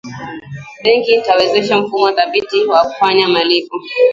benki itawezesha mfumo thabiti wa kufanya malipo